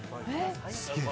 すげえ。